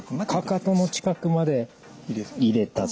かかとの近くまで入れたぞ。